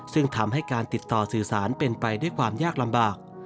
ซึ่งทำให้การติดต่อสื่อสารเป็นไปด้วยความยากลำบาก